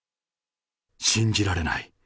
信じられない。